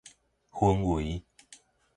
氛圍